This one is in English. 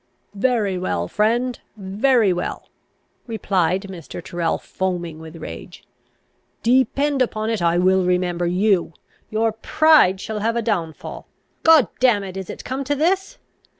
"Very well, friend; very well!" replied Mr. Tyrrel, foaming with rage. "Depend upon it, I will remember you! Your pride shall have a downfal! God damn it! is it come to this?